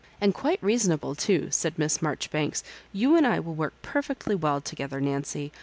" And quite reasonable too," said Miss Marjori banks ;" you and I will work perfectly well to gether, Nancy.